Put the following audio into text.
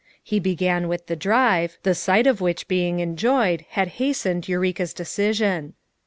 He began with the drive, the sight of which being enjoyed had hastened Eureka's de cision.